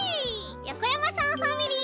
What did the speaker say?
よこやまさんファミリー！